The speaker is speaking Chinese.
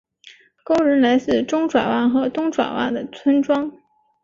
工人来自中爪哇和东爪哇的村庄。